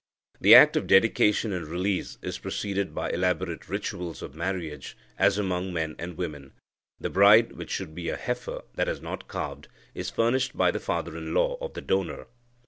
The act of dedication and release is preceded by elaborate rituals of marriage, as among men and women. The bride, which should be a heifer that has not calved, is furnished by the father in law of the donor.